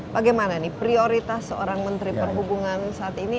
bagaimana nih prioritas seorang menteri perhubungan saat ini